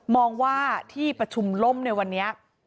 มองว่าที่ประชุมล่มในวันนี้